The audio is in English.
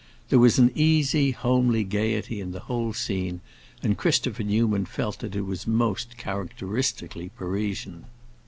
There was an easy, homely gaiety in the whole scene, and Christopher Newman felt that it was most characteristically Parisian.